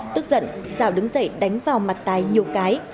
tức giận giáo đứng dậy đánh vào mặt tài nhiều cái